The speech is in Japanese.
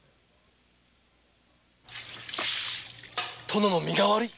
「殿の身代わり」？